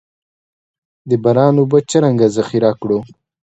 د باران اوبه څنګه ذخیره کړو؟